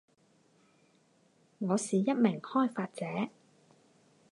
我是一名开发者